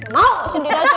mau sendiri aja